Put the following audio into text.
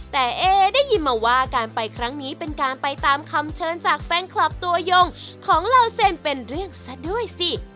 แต่เอได้ยินมาว่าการไปครั้งนี้เป็นการไปตามคำเชิญจากแฟนคลับตัวยงของเหล่าเซนเป็นเรื่องซะด้วยสิ